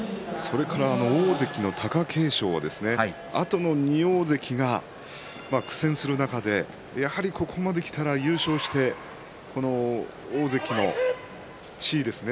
大関の貴景勝はあとの２大関が苦戦する中でやはりここまできたら優勝して大関の地位ですね